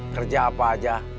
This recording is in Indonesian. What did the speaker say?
kerja apa aja